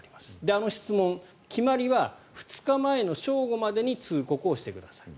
あの質問、決まりは２日前の正午までに通告をしてくださいと。